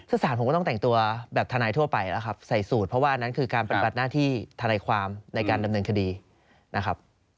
สารผมก็ต้องแต่งตัวแบบทนายทั่วไปแล้วครับใส่สูตรเพราะว่าอันนั้นคือการปฏิบัติหน้าที่ธนายความในการดำเนินคดีนะครับ